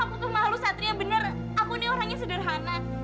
aku tuh malu satria benar aku nih orangnya sederhana